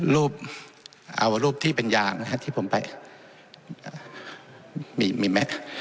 รูปเอารูปที่เป็นยางนะฮะที่ผมไปมีมีไหม